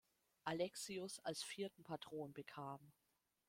Alexius als vierten Patron bekam.